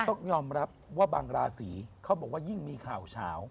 ต้องยอมรับว่าบางราศีเขาบอกว่ายิ่งมีข่าวเฉา